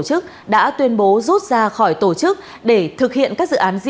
tức là nó vô hiệu hóa đảng